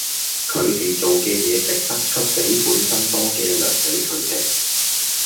佢地做既野值得岀比本身多既糧比佢地